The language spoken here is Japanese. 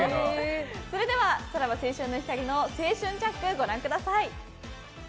それでは「さらば青春の光の青春ジャック」ご覧ください。